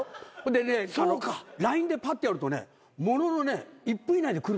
でねＬＩＮＥでパッとやるとねもののね１分以内で来るんですよ。